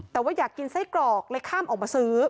แต่ว่าอยากกินไส้กรอกเลยข้ามออกมาซื้อ